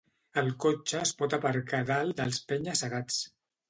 El cotxe es pot aparcar dalt dels penya-segats.